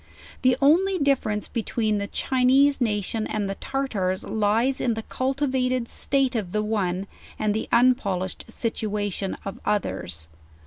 The only differ ence between the Chinese nation and the Tartars lies in the cultivated state of the one, and the unpolished situation of others.